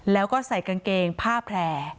แล้วก็ใส่กางเกงผ้าแผล